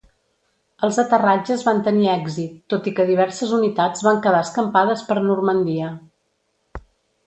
Els aterratges van tenir èxit, tot i que diverses unitats van quedar escampades per Normandia.